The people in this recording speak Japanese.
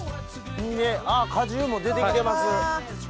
あっ果汁も出て来てます。